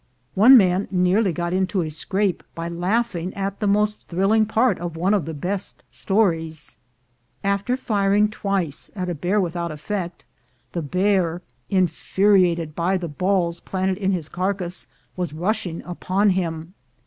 One man nearly got into a scrape by laughing at the most thrilling part of one of his best stories. After firing twice at a bear without effect, the bear, infuriated by the balls planted in his carcass, was rushing upon him.